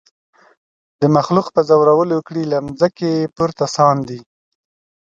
د مخلوق په زورولو کړي له مځکي پورته ساندي